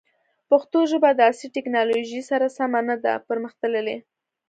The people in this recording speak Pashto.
پښتو ژبه د عصري تکنالوژۍ سره سمه نه ده پرمختللې.